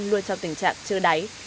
luôn trong tình trạng chưa đáy